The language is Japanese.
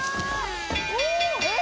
えっ？